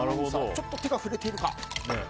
ちょっと手が震えているか。